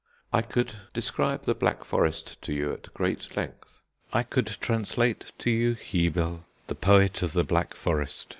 I could describe the Black Forest to you at great length. I could translate to you Hebel, the poet of the Black Forest.